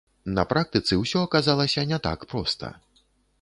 На практыцы ўсё аказалася не так проста.